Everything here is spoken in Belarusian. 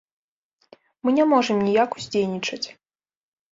Мы не можам ніяк уздзейнічаць.